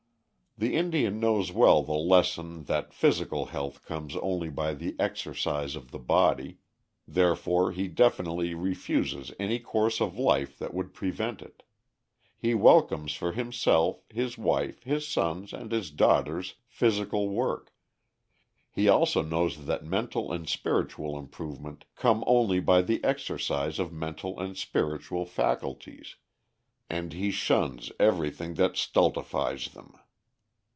The Indian knows well the lesson that physical health comes only by the exercise of the body, therefore he definitely refuses any course of life that would prevent it; he welcomes for himself, his wife, his sons, and his daughters physical work; he also knows that mental and spiritual improvement come only by the exercise of mental and spiritual faculties, and he shuns everything that stultifies them.